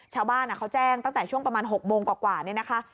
ชาวบ้านเขาแจ้งตั้งแต่ช่วงประมาณ๖โมงกว่านี่นะคะ